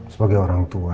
sebagai orang tua